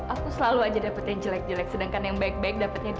aku selalu aja dapet jelek jelek sedangkan yang baik baik dapetnya didi